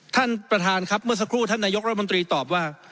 ท่านประธานครับเมื่อสักครู่ท่านนายกรัฐมนตรีตอบว่า